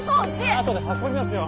あとで運びますよ。